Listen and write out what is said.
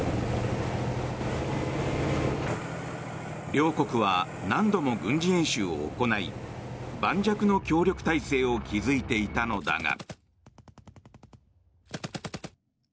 両国は何度も軍事演習を行い盤石の協力体制を築いていたのだが。